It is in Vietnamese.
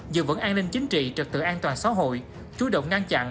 giữ vững an ninh chính trị trật tự an toàn xã hội chú động ngăn chặn